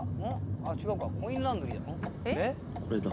あっ違うかコインランドリーだ。